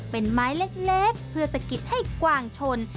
เป็นไม้เล็กเพื่อสะกิดให้กวางชน